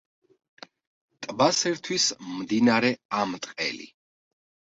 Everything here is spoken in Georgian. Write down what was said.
ტბას ერთვის მდინარე ამტყელი.